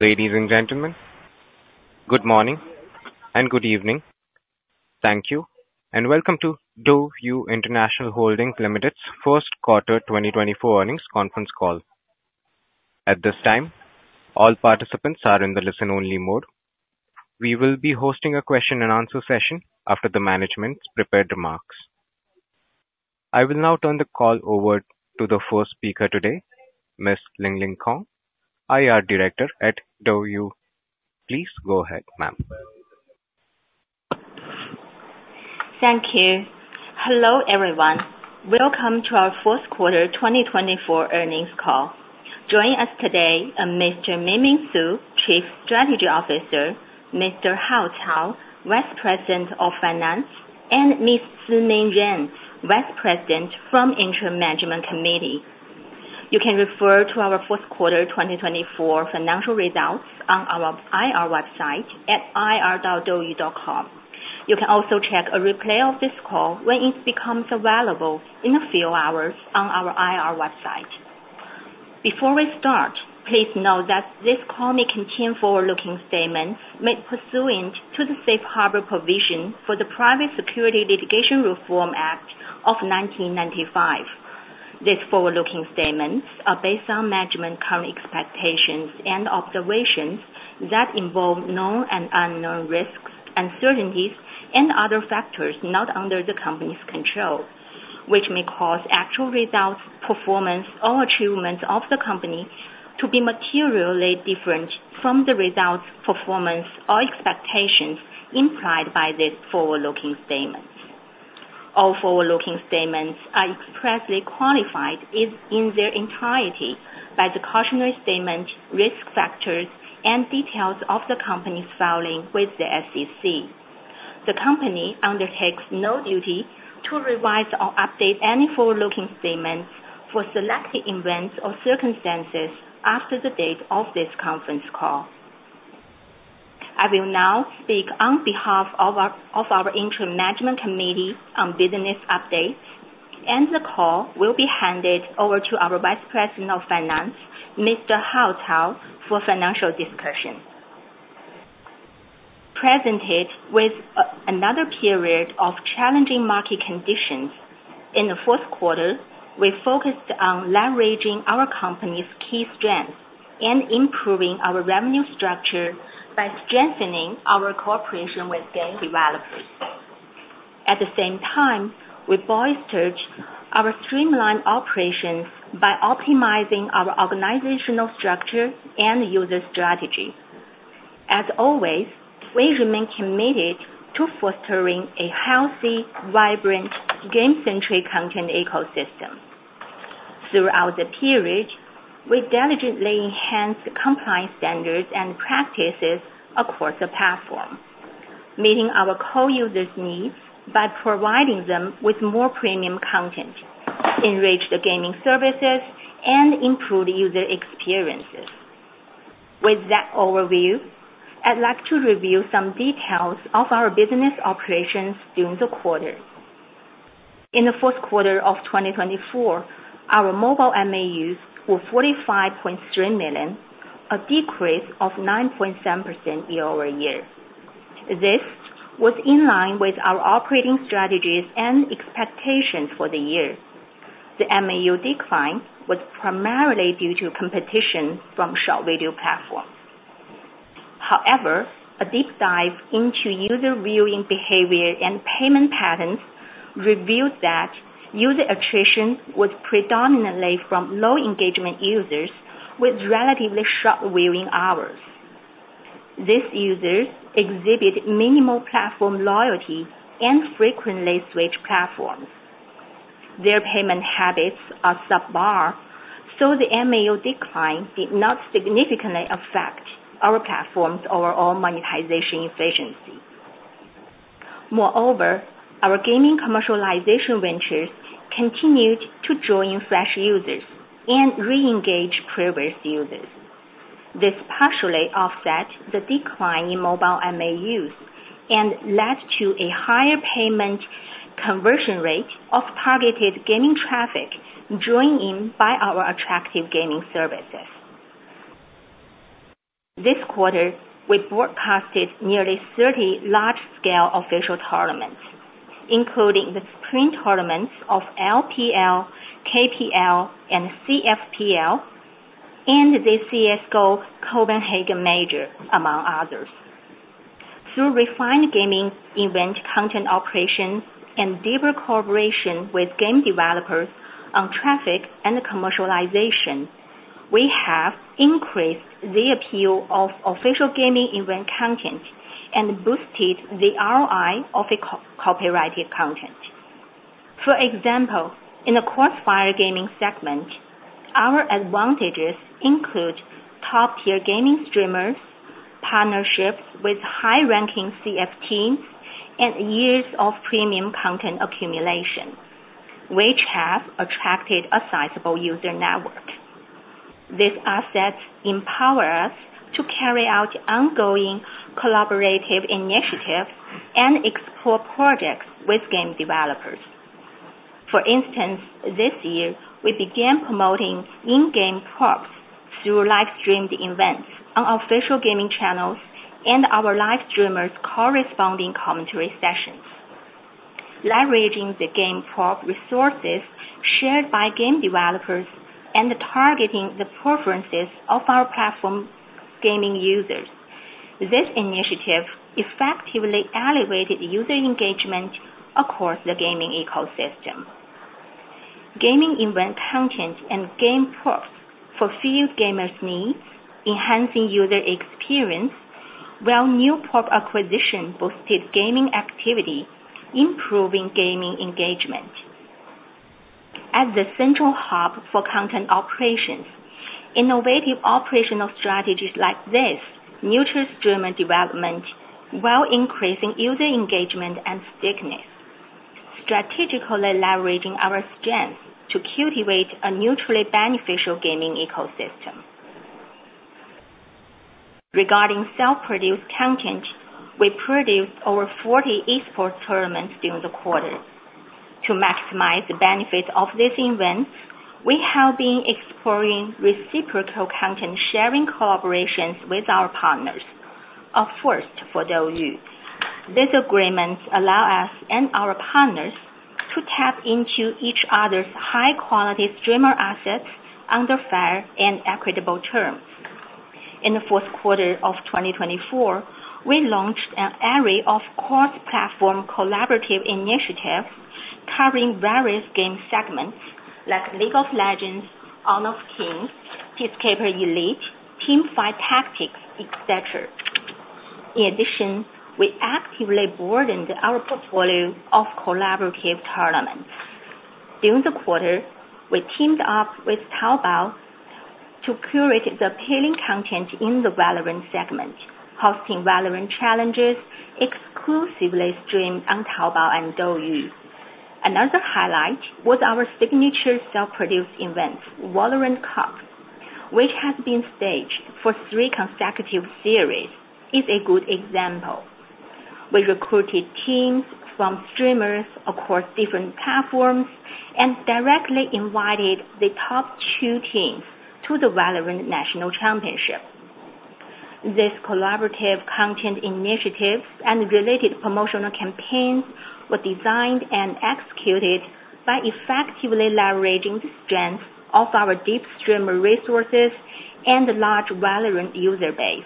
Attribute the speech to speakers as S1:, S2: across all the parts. S1: Ladies and gentlemen, good morning and good evening. Thank you, and welcome to DouYu International Holdings Limited's Q1 2024 earnings conference call. At this time, all participants are in the listen-only mode. We will be hosting a question and answer session after the management's prepared remarks. I will now turn the call over to the first speaker today, Ms. Lingling Kong, IR Director at DouYu. Please go ahead, ma'am.
S2: Thank you. Hello, everyone. Welcome to our Q1 2024 earnings call. Joining us today are Mr. Mingming Su, Chief Strategy Officer, Mr. Hao Cao, Vice President of Finance, and Ms. Simin Ren, Vice President from Interim Management Committee. You can refer to our Q1 2024 financial results on our IR website at ir.douyu.com. You can also check a replay of this call when it becomes available in a few hours on our IR website. Before we start, please note that this call may contain forward-looking statements made pursuant to the Safe Harbor provision for the Private Securities Litigation Reform Act of 1995. These forward-looking statements are based on management's current expectations and observations that involve known and unknown risks, uncertainties, and other factors not under the company's control, which may cause actual results, performance, or achievements of the company to be materially different from the results, performance, or expectations implied by these forward-looking statements. All forward-looking statements are expressly qualified in their entirety by the cautionary statement, risk factors, and details of the company's filing with the SEC. The company undertakes no duty to revise or update any forward-looking statements for selected events or circumstances after the date of this conference call. I will now speak on behalf of our interim management committee on business updates, and the call will be handed over to our Vice President of Finance, Mr. Hao Cao, for financial discussion. Presented with another period of challenging market conditions, in the fourth quarter, we focused on leveraging our company's key strengths and improving our revenue structure by strengthening our cooperation with game developers. At the same time, we bolstered our streamlined operations by optimizing our organizational structure and user strategy. As always, we remain committed to fostering a healthy, vibrant, game-centric content ecosystem. Throughout the period, we diligently enhanced compliance standards and practices across the platform, meeting our core users' needs by providing them with more premium content, enriched gaming services, and improved user experiences. With that overview, I'd like to review some details of our business operations during the quarter. In the fourth quarter of 2024, our mobile MAUs were 45.3 million, a decrease of 9.7% year-over-year. This was in line with our operating strategies and expectations for the year. The MAU decline was primarily due to competition from short video platforms. However, a deep dive into user viewing behavior and payment patterns revealed that user attrition was predominantly from low-engagement users with relatively short viewing hours. These users exhibit minimal platform loyalty and frequently switch platforms. Their payment habits are subpar, so the MAU decline did not significantly affect our platform's overall monetization efficiency. Moreover, our gaming commercialization ventures continued to draw in fresh users and re-engage previous users. This partially offset the decline in mobile MAUs and led to a higher payment conversion rate of targeted gaming traffic drawn in by our attractive gaming services. This quarter, we broadcasted nearly 30 large-scale official tournaments, including the spring tournaments of LPL, KPL, and CFPL, and the CS:GO Copenhagen Major, among others. Through refined gaming event content operations and deeper cooperation with game developers on traffic and commercialization, we have increased the appeal of official gaming event content and boosted the ROI of co-copyrighted content. For example, in the CrossFire gaming segment, our advantages include top-tier gaming streamers, partnerships with high-ranking CF teams, and years of premium content accumulation, which have attracted a sizable user network. These assets empower us to carry out ongoing collaborative initiatives and explore projects with game developers. For instance, this year, we began promoting in-game props through live-streamed events on our official gaming channels and our live streamers' corresponding commentary sessions. Leveraging the game prop resources shared by game developers and targeting the preferences of our platform gaming users, this initiative effectively elevated user engagement across the gaming ecosystem. Gaming event content and game props fulfilled gamers' needs, enhancing user experience, while new prop acquisition boosted gaming activity, improving gaming engagement. As the central hub for content operations, innovative operational strategies like this nurtures streamer development while increasing user engagement and stickiness, strategically leveraging our strengths to cultivate a mutually beneficial gaming ecosystem. Regarding self-produced content, we produced over 40 esports tournaments during the quarter. To maximize the benefits of these events, we have been exploring reciprocal content sharing collaborations with our partners. A first for DouYu. These agreements allow us and our partners to tap into each other's high-quality streamer assets under fair and equitable terms. In the fourth quarter of 2024, we launched an array of cross-platform collaborative initiatives covering various game segments like League of Legends, Honor of Kings, Peace Elite, Teamfight Tactics, et cetera. In addition, we actively broadened our portfolio of collaborative tournaments. During the quarter, we teamed up with Taobao to curate the appealing content in the Valorant segment, hosting Valorant challenges exclusively streamed on Taobao and DouYu. Another highlight was our signature self-produced event, Valorant Cup, which has been staged for three consecutive series, is a good example. We recruited teams from streamers across different platforms and directly invited the top two teams to the Valorant National Championship. This collaborative content initiatives and related promotional campaigns were designed and executed by effectively leveraging the strength of our deep streamer resources and the large Valorant user base.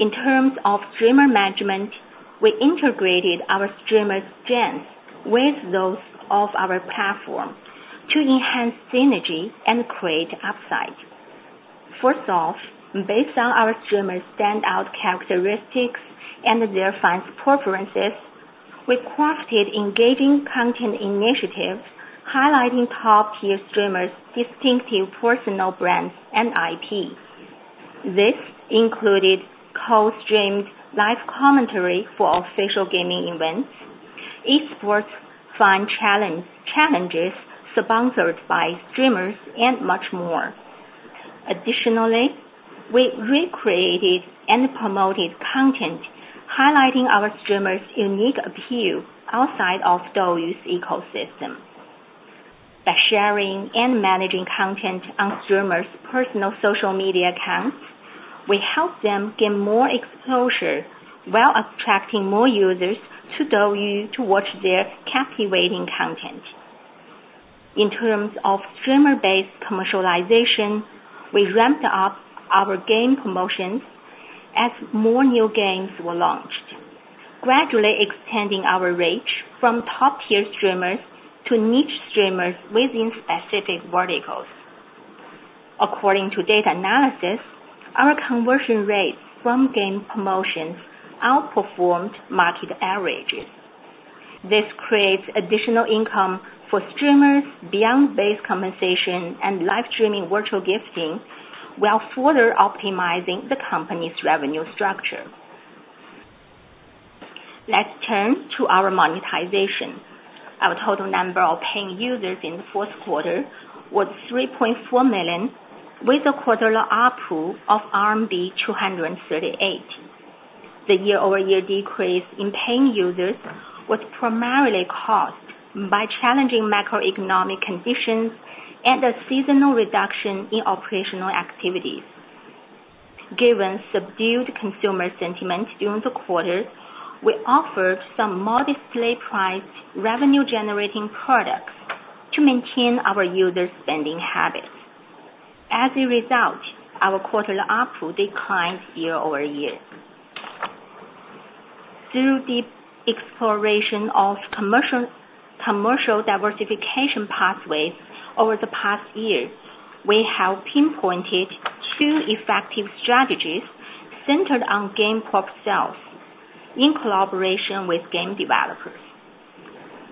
S2: In terms of streamer management, we integrated our streamers' strengths with those of our platform to enhance synergy and create upside. First off, based on our streamers' standout characteristics and their fans' preferences, we crafted engaging content initiatives highlighting top-tier streamers' distinctive personal brands and IP. This included co-streamed live commentary for official gaming events, esports fan challenges sponsored by streamers, and much more. Additionally, we recreated and promoted content highlighting our streamers' unique appeal outside of DouYu's ecosystem. By sharing and managing content on streamers' personal social media accounts, we helped them gain more exposure while attracting more users to DouYu to watch their captivating content. In terms of streamer-based commercialization, we ramped up our game promotions as more new games were launched, gradually expanding our reach from top-tier streamers to niche streamers within specific verticals. According to data analysis, our conversion rates from game promotions outperformed market averages. This creates additional income for streamers beyond base compensation and live streaming virtual gifting, while further optimizing the company's revenue structure. Let's turn to our monetization. Our total number of paying users in the fourth quarter was 3.4 million, with a quarterly ARPU of RMB 238. The year-over-year decrease in paying users was primarily caused by challenging macroeconomic conditions and a seasonal reduction in operational activities. Given subdued consumer sentiment during the quarter, we offered some modestly priced revenue-generating products to maintain our users' spending habits. As a result, our quarterly ARPU declined year over year. Through the exploration of commercial diversification pathways over the past year, we have pinpointed two effective strategies centered on game prop sales in collaboration with game developers.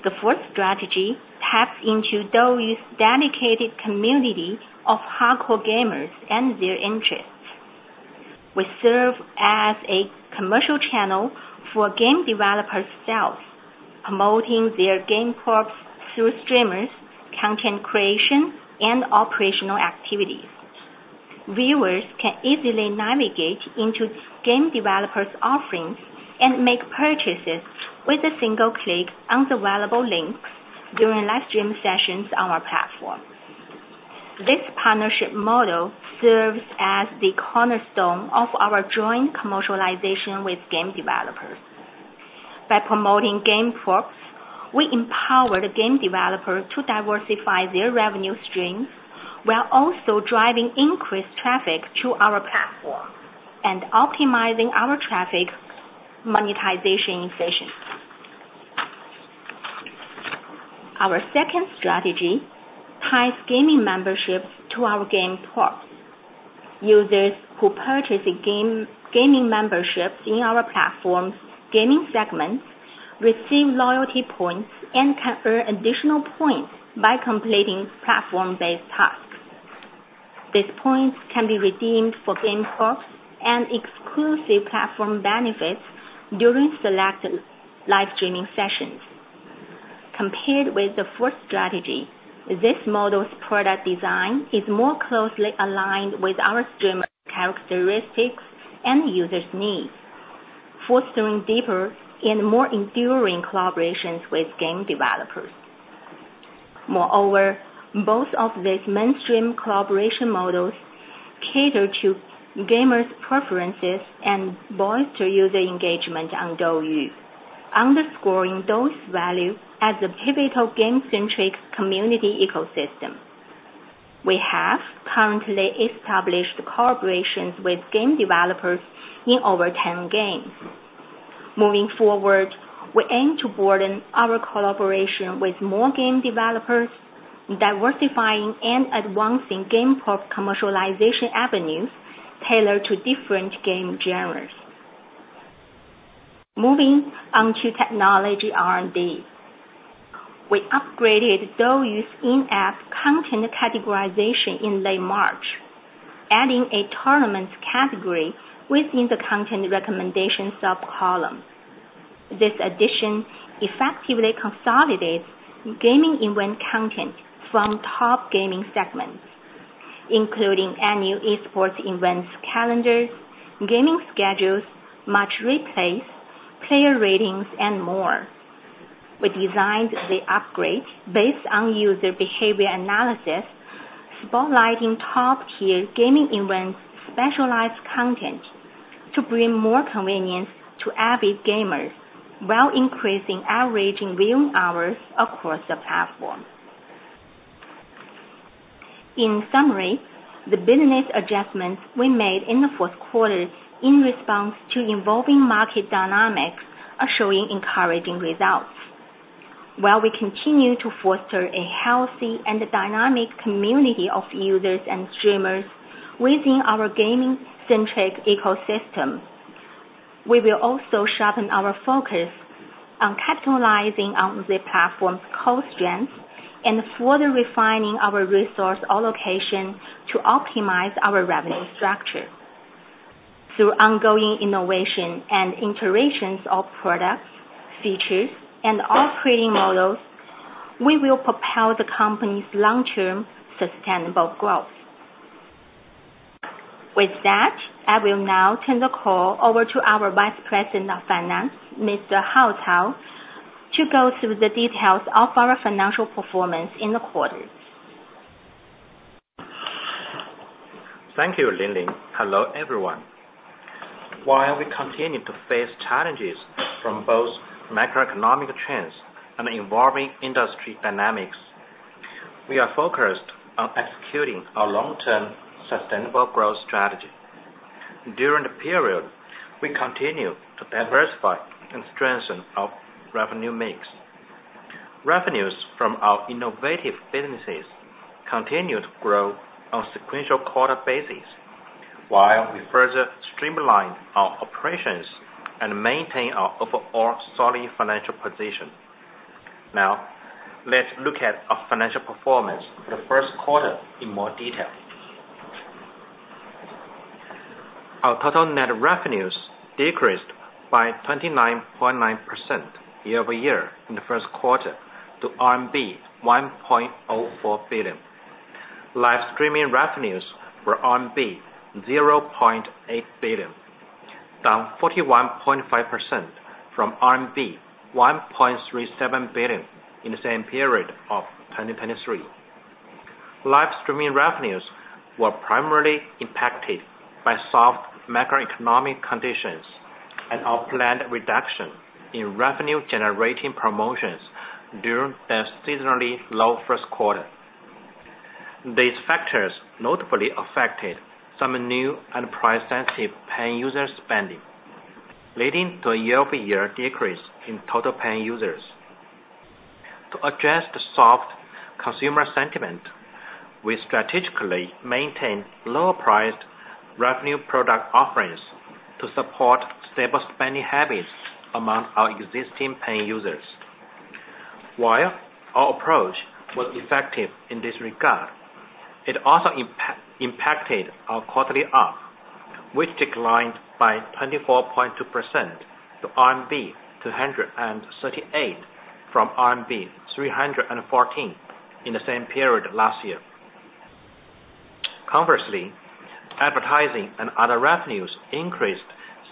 S2: The first strategy taps into DouYu's dedicated community of hardcore gamers and their interests. We serve as a commercial channel for game developers themselves, promoting their game props through streamers, content creation, and operational activities. Viewers can easily navigate into game developers' offerings and make purchases with a single click on the available links during live stream sessions on our platform. This partnership model serves as the cornerstone of our joint commercialization with game developers. By promoting game props, we empower the game developer to diversify their revenue stream, while also driving increased traffic to our platform and optimizing our traffic monetization efficiency. Our second strategy ties gaming memberships to our game props. Users who purchase a game, gaming membership in our platform's gaming segment, receive loyalty points and can earn additional points by completing platform-based tasks. These points can be redeemed for game props and exclusive platform benefits during selected live streaming sessions. Compared with the first strategy, this model's product design is more closely aligned with our streamer characteristics and users' needs, fostering deeper and more enduring collaborations with game developers. Moreover, both of these mainstream collaboration models cater to gamers' preferences and bolster user engagement on DouYu, underscoring that value as a pivotal game-centric community ecosystem. We have currently established collaborations with game developers in over 10 games. Moving forward, we aim to broaden our collaboration with more game developers, diversifying and advancing game prop commercialization avenues tailored to different game genres. Moving on to technology R&D. We upgraded DouYu's in-app content categorization in late March, adding a tournament category within the content recommendation sub-columns. This addition effectively consolidates gaming event content from top gaming segments, including annual eSports events, calendars, gaming schedules, match replays, player ratings, and more. We designed the upgrade based on user behavior analysis, spotlighting top-tier gaming events, specialized content, to bring more convenience to avid gamers, while increasing average viewing hours across the platform. In summary, the business adjustments we made in the fourth quarter in response to evolving market dynamics are showing encouraging results. While we continue to foster a healthy and dynamic community of users and streamers within our gaming-centric ecosystem, we will also sharpen our focus on capitalizing on the platform's core strengths, and further refining our resource allocation to optimize our revenue structure. Through ongoing innovation and iterations of products, features, and operating models, we will propel the company's long-term sustainable growth. With that, I will now turn the call over to our Vice President of Finance, Mr. Hao Cao, to go through the details of our financial performance in the quarter.
S3: Thank you, Lingling. Hello, everyone. While we continue to face challenges from both macroeconomic trends and evolving industry dynamics, we are focused on executing our long-term sustainable growth strategy. During the period, we continued to diversify and strengthen our revenue mix. Revenues from our innovative businesses continued to grow on sequential quarter basis, while we further streamlined our operations and maintained our overall solid financial position. Now, let's look at our financial performance for the Q1 in more detail. Our total net revenues decreased by 29.9% year-over-year in the Q1 to RMB 1.04 billion. Live streaming revenues were RMB 0.8 billion, down 41.5% from RMB 1.37 billion in the same period of 2023. Live streaming revenues were primarily impacted by soft macroeconomic conditions and our planned reduction in revenue-generating promotions during the seasonally low Q1. These factors notably affected some new and price-sensitive paying user spending, leading to a year-over-year decrease in total paying users. To address the soft consumer sentiment, we strategically maintained lower priced revenue product offerings to support stable spending habits among our existing paying users. While our approach was effective in this regard, it also impacted our quarterly ARPU, which declined by 24.2% to RMB 238 from RMB 314 in the same period last year. Conversely, advertising and other revenues increased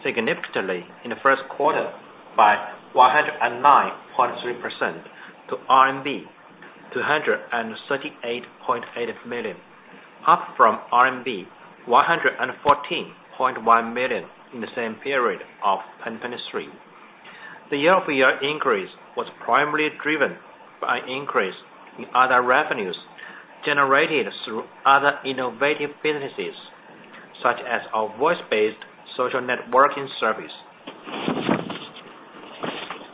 S3: significantly in the Q1 by 109.3% to 238.8 million RMB, up from RMB 114.1 million in the same period of 2023. The year-over-year increase was primarily driven by an increase in other revenues generated through other innovative businesses, such as our voice-based social networking service.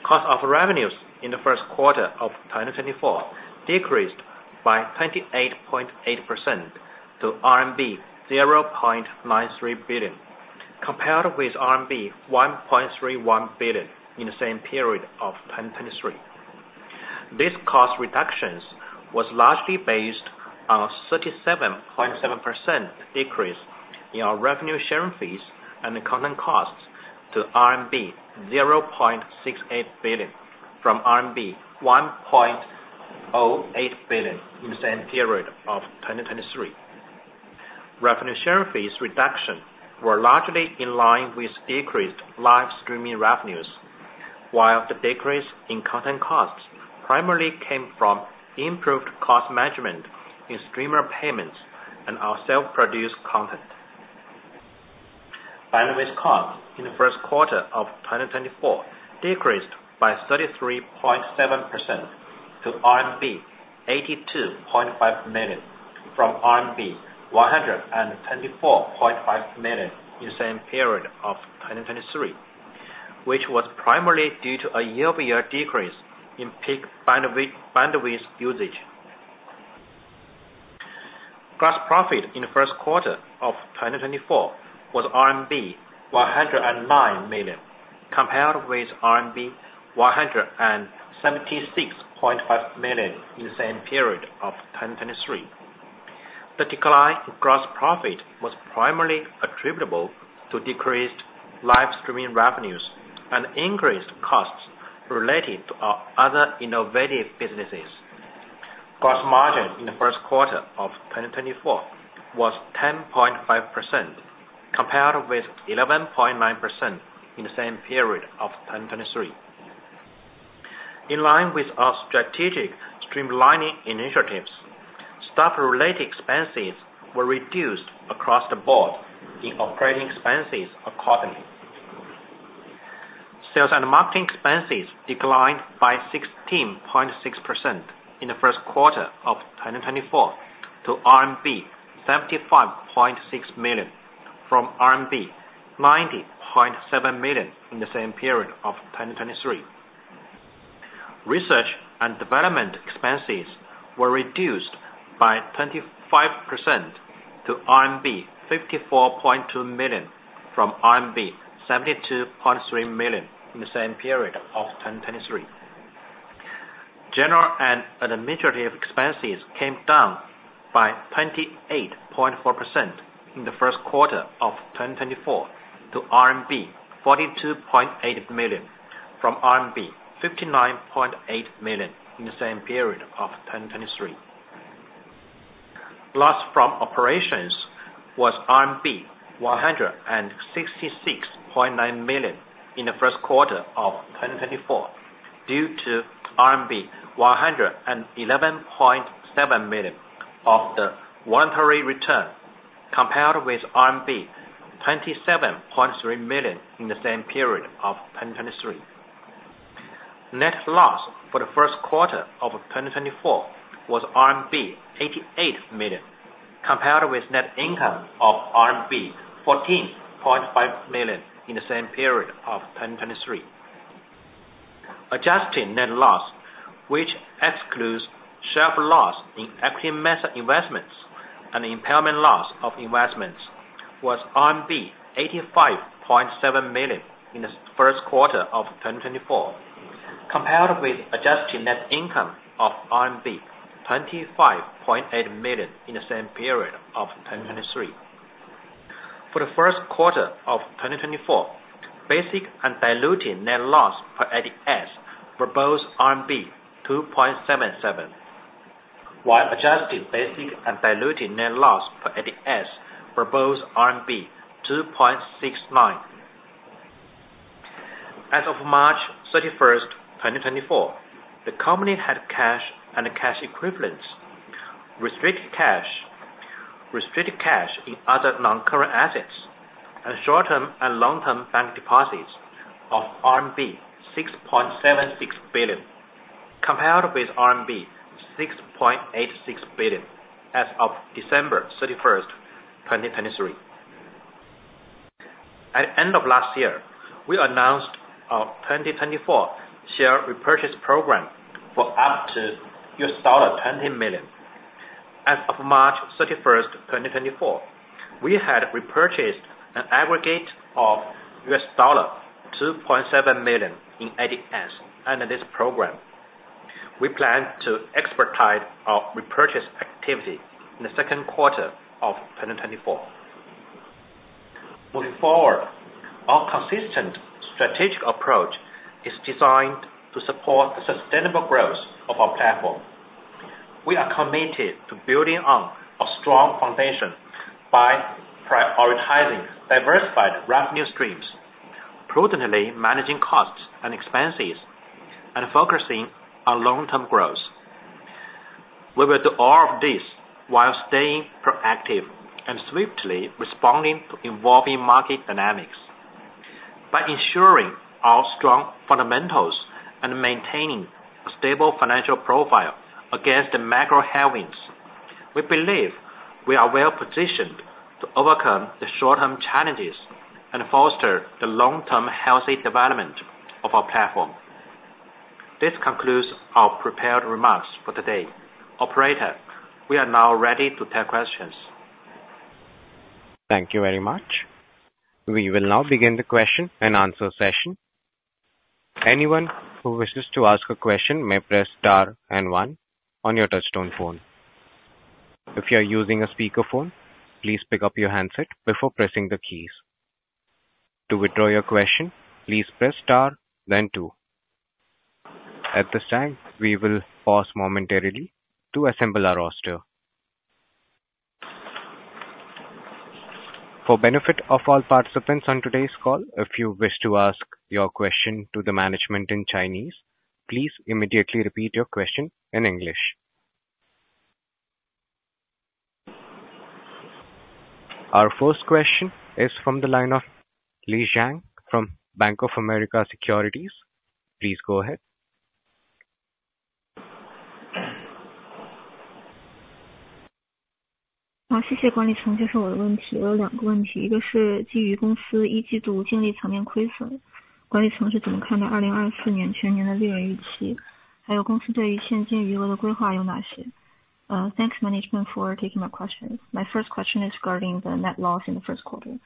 S3: Cost of revenues in the Q1 of 2024 decreased by 28.8% to RMB 0.93 billion, compared with RMB 1.31 billion in the same period of 2023. These cost reductions was largely based on a 37.7% decrease in our revenue sharing fees and content costs to RMB 0.68 billion, from RMB 1.08 billion in the same period of 2023. Revenue sharing fees reduction were largely in line with decreased live streaming revenues, while the decrease in content costs primarily came from improved cost management in streamer payments and our self-produced content. Bandwidth costs in the Q1 of 2024 decreased by 33.7% to RMB 82.5 million, from RMB 124.5 million in the same period of 2023, which was primarily due to a year-over-year decrease in peak bandwidth, bandwidth usage. Gross profit in the Q1 of 2024 was RMB 109 million, compared with RMB 176.5 million in the same period of 2023. The decline in gross profit was primarily attributable to decreased live streaming revenues and increased costs related to our other innovative businesses. Gross margin in the Q1 of 2024 was 10.5%, compared with 11.9% in the same period of 2023. In line with our strategic streamlining initiatives, staff-related expenses were reduced across the board in operating expenses accordingly. Sales and marketing expenses declined by 16.6% in the Q1 of 2024 to RMB 75.6 million, from RMB 90.7 million in the same period of 2023. Research and development expenses were reduced by 25% to 54.2 million RMB from RMB 72.3 million in the same period of 2023. General and administrative expenses came down by 28.4% in the Q1 of 2024 to RMB 42.8 million, from RMB 59.8 million in the same period of 2023. Loss from operations was RMB 166.9 million in the Q1 of 2024, due to RMB 111.7 million of the voluntary return, compared with RMB 27.3 million in the same period of 2023. Net loss for the Q1 of 2024 was RMB 88 million, compared with net income of RMB 14.5 million in the same period of 2023. Adjusted net loss, which excludes share loss in equity method investments and impairment loss of investments, was RMB 85.7 million in the Q1 of 2024, compared with adjusted net income of RMB 25.8 million in the same period of 2023. For the Q1 of 2024, basic and diluted net loss per ADS were both RMB 2.77, while adjusted basic and diluted net loss per ADS were both RMB 2.69. As of March 31, 2024, the company had cash and cash equivalents, restricted cash, restricted cash in other non-current assets, and short-term and long-term bank deposits of RMB 6.76 billion, compared with RMB 6.86 billion as of December 31, 2023. At end of last year, we announced our 2024 share repurchase program for up to $20 million. As of March 31, 2024, we had repurchased an aggregate of $2.7 million in ADS under this program. We plan to expedite our repurchase activity in the second quarter of 2024. Moving forward, our consistent strategic approach is designed to support the sustainable growth of our platform. We are committed to building on a strong foundation by prioritizing diversified revenue streams, prudently managing costs and expenses, and focusing on long-term growth. We will do all of this while staying proactive and swiftly responding to evolving market dynamics. By ensuring our strong fundamentals and maintaining a stable financial profile against the macro headwinds, we believe we are well positioned to overcome the short-term challenges and foster the long-term healthy development of our platform. This concludes our prepared remarks for today. Operator, we are now ready to take questions.
S1: Thank you very much. We will now begin the question and answer session. Anyone who wishes to ask a question may press star and one on your touchtone phone. If you are using a speakerphone, please pick up your handset before pressing the keys. To withdraw your question, please press star, then two. At this time, we will pause momentarily to assemble our roster. For benefit of all participants on today's call, if you wish to ask your question to the management in Chinese, please immediately repeat your question in English. Our first question is from the line of Lei Zhang from Bank of America Securities. Please go ahead.
S4: Thanks, management, for taking my questions. My first question is regarding the net loss in the Q1.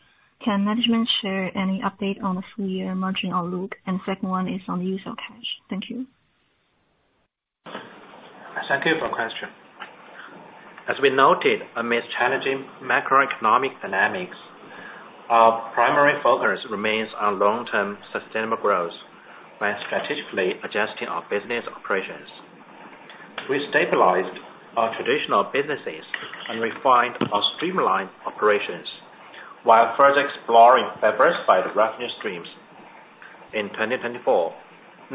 S4: Can management share any update on the full year margin outlook? And second one is on the use of cash. Thank you.
S3: Thank you for your question. As we noted, amidst challenging macroeconomic dynamics, our primary focus remains on long-term sustainable growth by strategically adjusting our business operations. We stabilized our traditional businesses and refined our streamlined operations, while further exploring diversified revenue streams. In 2024,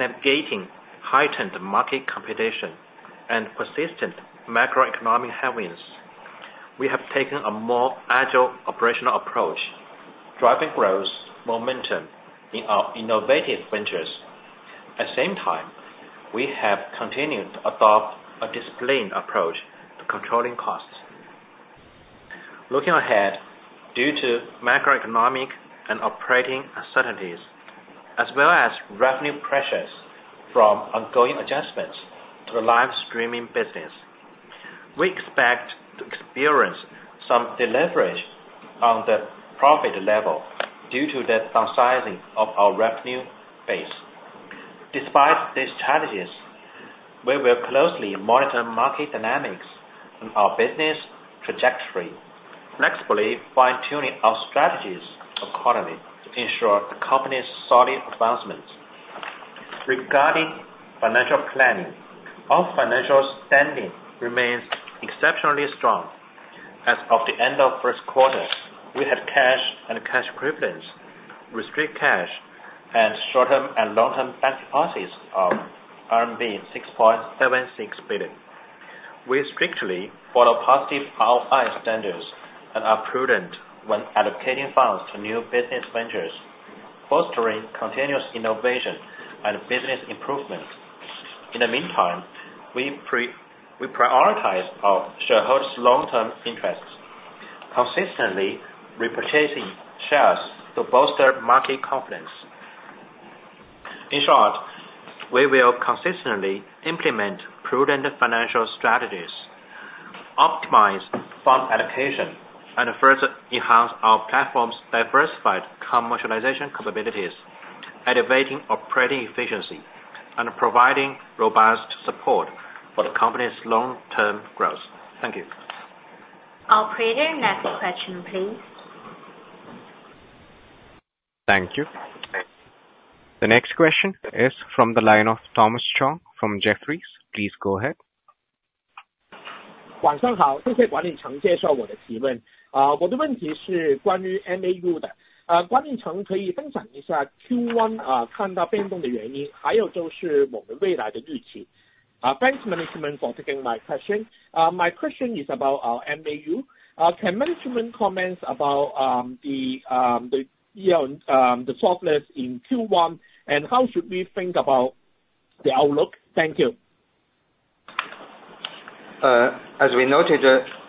S3: navigating heightened market competition and persistent macroeconomic headwinds, we have taken a more agile operational approach, driving growth momentum in our innovative ventures. At the same time, we have continued to adopt a disciplined approach to controlling costs. Looking ahead, due to macroeconomic and operating uncertainties, as well as revenue pressures from ongoing adjustments to the live streaming business, we expect to experience some deleverage on the profit level due to the downsizing of our revenue base. Despite these challenges, we will closely monitor market dynamics and our business trajectory, flexibly fine-tuning our strategies accordingly to ensure the company's solid advancements. Regarding financial planning, our financial standing remains exceptionally strong. As of the end of Q1, we had cash and cash equivalents, restricted cash, and short-term and long-term bank deposits of RMB 6.76 billion. We strictly follow positive ROI standards and are prudent when allocating funds to new business ventures, fostering continuous innovation and business improvement. In the meantime, we prioritize our shareholders' long-term interests, consistently repurchasing shares to bolster market confidence. In short, we will consistently implement prudent financial strategies, optimize fund allocation, and further enhance our platform's diversified commercialization capabilities, elevating operating efficiency, and providing robust support for the company's long-term growth. Thank you.
S2: Operator, next question, please.
S1: Thank you. The next question is from the line of Thomas Chong from Jefferies. Please go ahead.
S5: Thanks, management, for taking my question. My question is about MAU. Can management comment about the you know the softness in Q1, and how should we think about the outlook? Thank you.
S3: As we noted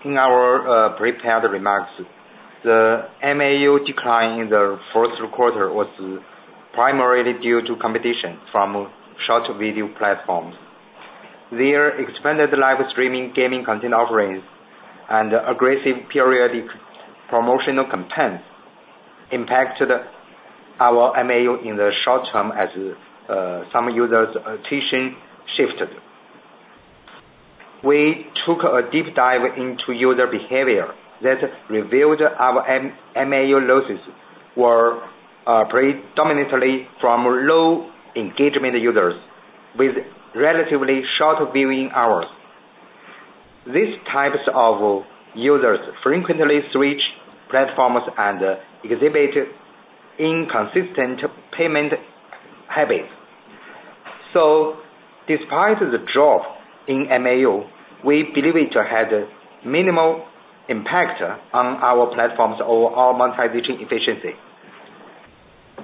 S3: in our prepared remarks, the MAU decline in the Q1 was primarily due to competition from short video platforms. Their expanded live streaming gaming content offerings and aggressive periodic promotional campaigns impacted our MAU in the short term as some users' attention shifted. We took a deep dive into user behavior that revealed our MAU losses were predominantly from low engagement users with relatively short viewing hours. These types of users frequently switch platforms and exhibit inconsistent payment habits. So despite the drop in MAU, we believe it had minimal impact on our platform's overall monetization efficiency.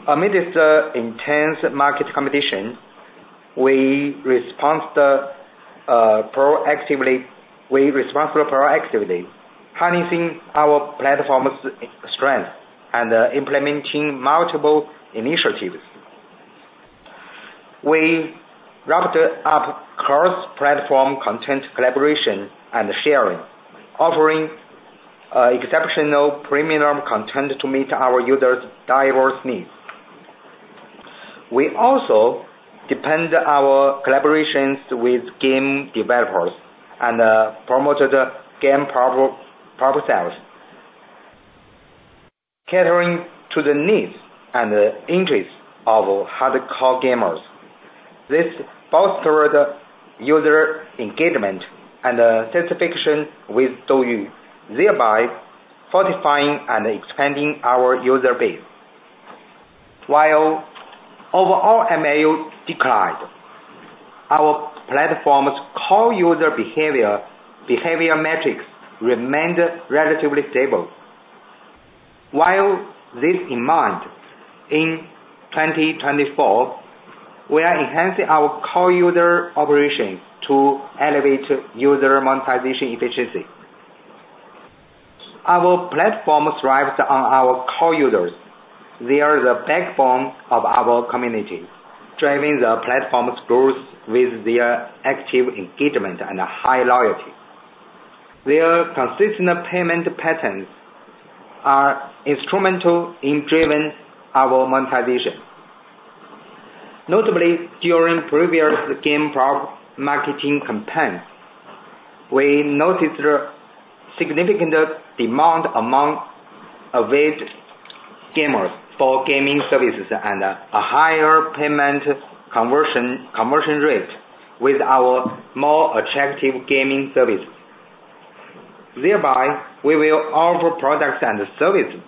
S3: Amidst intense market competition, we respond proactively, we respond proactively, harnessing our platform's strength and implementing multiple initiatives. We wrapped up cross-platform content collaboration and sharing, offering exceptional premium content to meet our users' diverse needs. We also deepen our collaborations with game developers and promoted game prop sales, catering to the needs and interests of hardcore gamers. This bolstered user engagement and satisfaction with DouYu, thereby fortifying and expanding our user base. While overall MAU declined, our platform's core user behavior metrics remained relatively stable. With this in mind, in 2024, we are enhancing our core user operation to elevate user monetization efficiency. Our platform thrives on our core users. They are the backbone of our community, driving the platform's growth with their active engagement and high loyalty. Their consistent payment patterns are instrumental in driving our monetization. Notably, during previous game product marketing campaigns, we noticed a significant demand among avid gamers for gaming services and a higher payment conversion rate with our more attractive gaming services. Thereby, we will offer products and services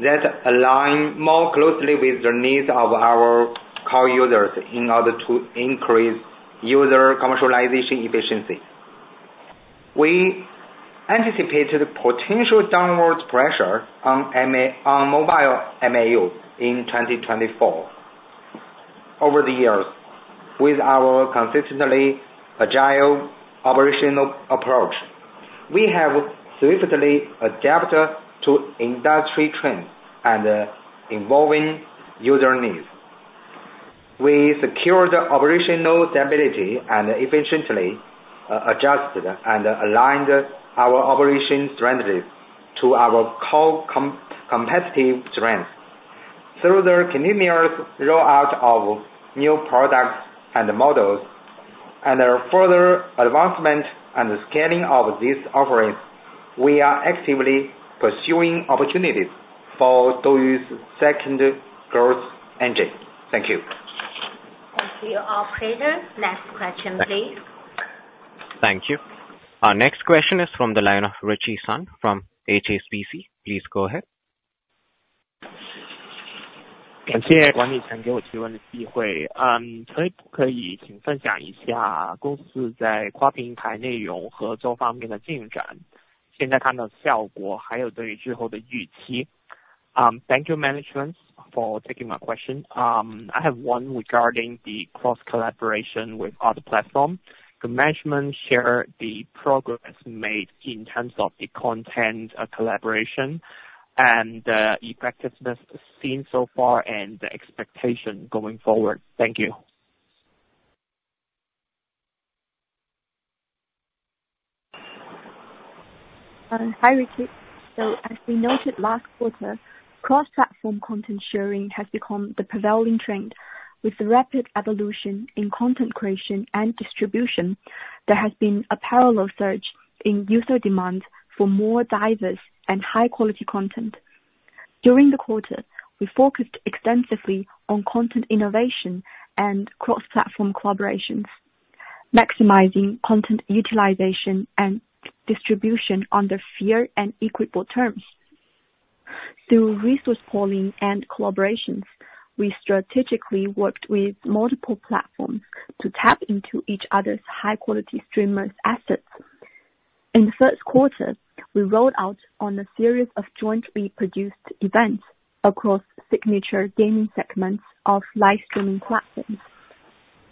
S3: that align more closely with the needs of our core users in order to increase user commercialization efficiency. We anticipate the potential downward pressure on mobile MAU in 2024. Over the years, with our consistently agile operational approach, we have swiftly adapted to industry trends and evolving user needs. We secured operational stability and efficiently adjusted and aligned our operation strategies to our core competitive strength. Through the continuous rollout of new products and models, and further advancement and scaling of these offerings, we are actively pursuing opportunities for DouYu's second growth engine. Thank you.
S6: Thank you, operator. Next question, please.
S1: Thank you. Our next question is from the line of Ritchie Sun from HSBC. Please go ahead.
S7: Thank you, management, for taking my question. I have one regarding the cross collaboration with other platforms. Could management share the progress made in terms of the content collaboration and the effectiveness seen so far and the expectation going forward? Thank you.
S8: Hi, Ritchie. As we noted last quarter, cross-platform content sharing has become the prevailing trend. With the rapid evolution in content creation and distribution, there has been a parallel surge in user demand for more diverse and high-quality content. During the quarter, we focused extensively on content innovation and cross-platform collaborations, maximizing content utilization and distribution under fair and equitable terms. Through resource pooling and collaborations, we strategically worked with multiple platforms to tap into each other's high-quality streamers' assets. In the Q1, we rolled out on a series of jointly produced events across signature gaming segments of live streaming platforms.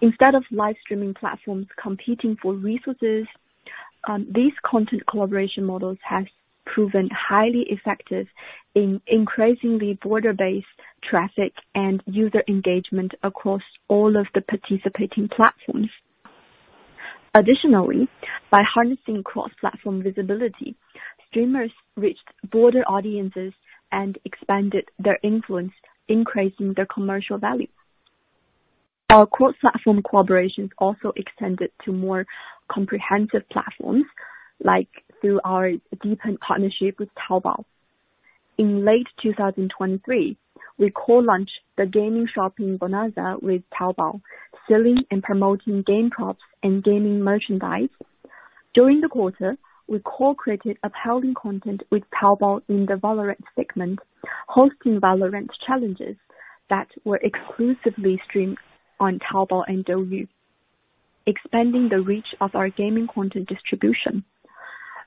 S8: Instead of live streaming platforms competing for resources, these content collaboration models has proven highly effective in increasing the broader base traffic and user engagement across all of the participating platforms. Additionally, by harnessing cross-platform visibility, streamers reached broader audiences and expanded their influence, increasing their commercial value. Our cross-platform collaborations also extended to more comprehensive platforms, like through our deepened partnership with Taobao. In late 2023, we co-launched the gaming shopping bonanza with Taobao, selling and promoting game props and gaming merchandise. During the quarter, we co-created appealing content with Taobao in the Valorant segment, hosting Valorant challenges that were exclusively streamed on Taobao and DouYu, expanding the reach of our gaming content distribution.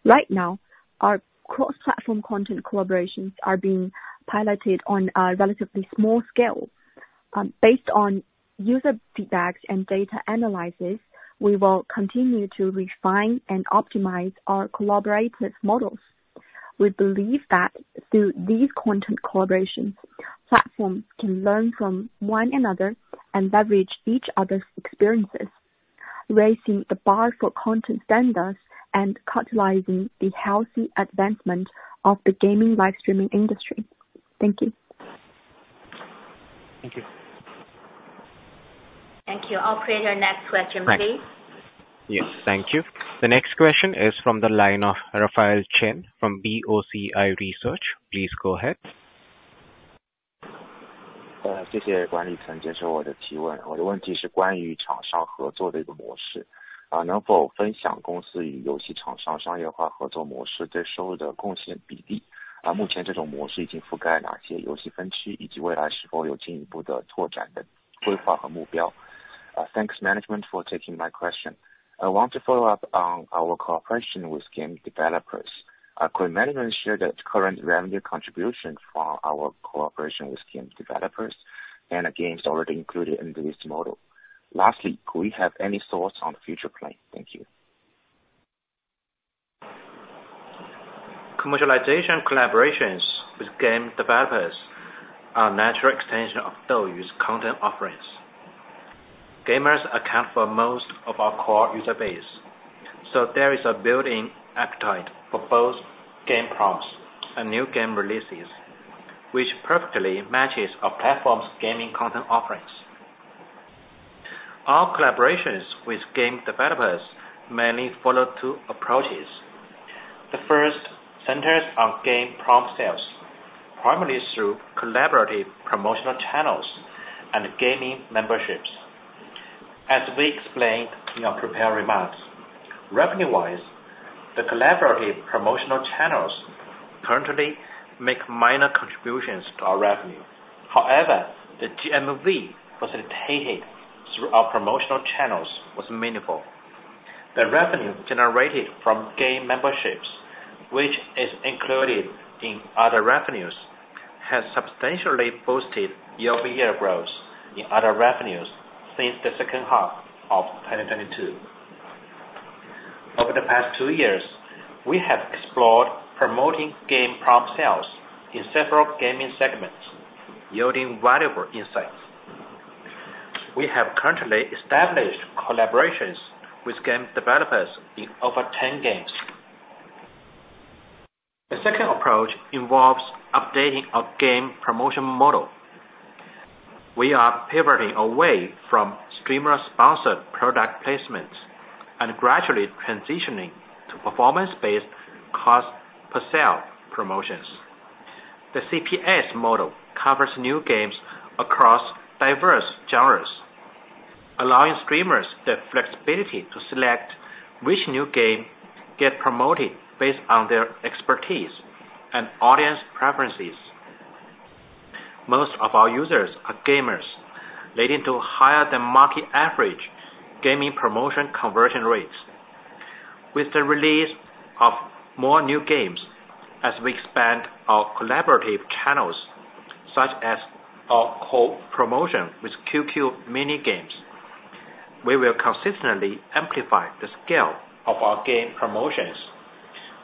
S8: Right now, our cross-platform content collaborations are being piloted on a relatively small scale. Based on user feedbacks and data analysis, we will continue to refine and optimize our collaborative models. We believe that through these content collaborations, platforms can learn from one another and leverage each other's experiences, raising the bar for content standards and catalyzing the healthy advancement of the gaming live streaming industry. Thank you.
S7: Thank you.
S6: Thank you. Operator, next question, please.
S1: Yes, thank you. The next question is from the line of Raphael Chen from BOCI Research. Please go ahead.
S9: Thanks, management, for taking my question. I want to follow up on our cooperation with game developers. Could management share the current revenue contribution from our cooperation with game developers and the games already included in this model? Lastly, could we have any thoughts on the future plan? Thank you.
S3: Commercialization collaborations with game developers are a natural extension of DouYu's content offerings. Gamers account for most of our core user base, so there is a building appetite for both game props and new game releases, which perfectly matches our platform's gaming content offerings. Our collaborations with game developers mainly follow two approaches. The first centers on game prop sales, primarily through collaborative promotional channels and gaming memberships. As we explained in our prepared remarks, revenue-wise, the collaborative promotional channels currently make minor contributions to our revenue. However, the GMV facilitated through our promotional channels was meaningful. The revenue generated from game memberships, which is included in other revenues, has substantially boosted year-over-year growth in other revenues since the second half of 2022. Over the past two years, we have explored promoting game prop sales in several gaming segments, yielding valuable insights. We have currently established collaborations with game developers in over 10 games. The second approach involves updating our game promotion model. We are pivoting away from streamer-sponsored product placements and gradually transitioning to performance-based cost per sale promotions. The CPS model covers new games across diverse genres, allowing streamers the flexibility to select which new game get promoted based on their expertise and audience preferences. Most of our users are gamers, leading to higher than market average gaming promotion conversion rates. With the release of more new games, as we expand our collaborative channels, such as our co-promotion with QQ Mini Games, we will consistently amplify the scale of our game promotions,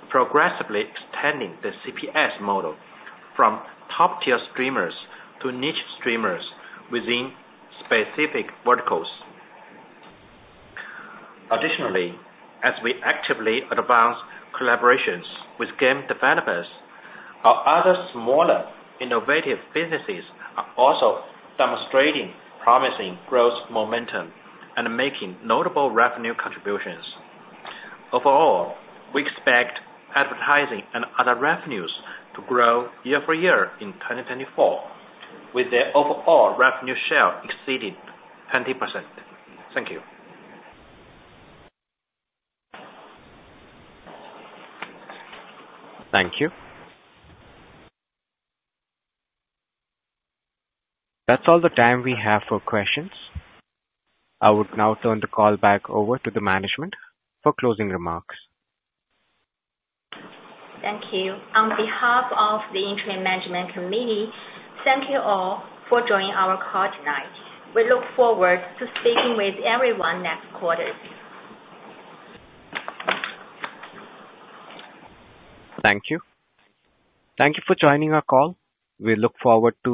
S3: progressively extending the CPS model from top-tier streamers to niche streamers within specific verticals. Additionally, as we actively advance collaborations with game developers, our other smaller, innovative businesses are also demonstrating promising growth momentum and making notable revenue contributions. Overall, we expect advertising and other revenues to grow year-over-year in 2024, with the overall revenue share exceeding 20%. Thank you.
S1: Thank you. That's all the time we have for questions. I would now turn the call back over to the management for closing remarks.
S6: Thank you. On behalf of the Interim Management Committee, thank you all for joining our call tonight. We look forward to speaking with everyone next quarter.
S1: Thank you. Thank you for joining our call. We look forward to-